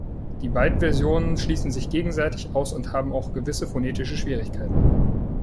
Die beiden Versionen schließen sich gegenseitig aus und haben auch gewisse phonetische Schwierigkeiten.